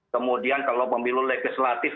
kemudian kalau pemilu legislatif